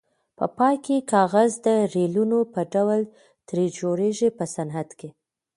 په پای کې کاغذ د ریلونو په ډول ترې جوړیږي په صنعت کې.